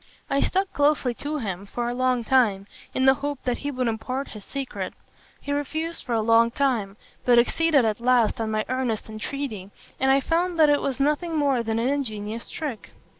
I stuck closely to him for a long time, in the hope that he would impart his secret. He refused for a long time, but acceded at last on my earnest entreaty, and I found that it was nothing more than an ingenious trick.